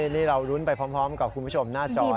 นี่เรารุ้นไปพร้อมกับคุณผู้ชมหน้าจอ